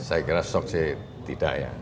saya kira stok sih tidak ya